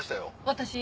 私？